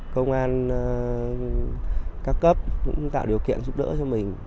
công an các cấp cũng tạo điều kiện giúp đỡ cho mình